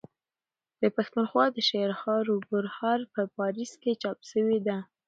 د پښتونخوا دشعرهاروبهار په پاريس کي چاپ سوې ده.